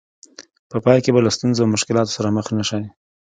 په پای کې به له ستونزو او مشکلاتو سره مخ نه شئ.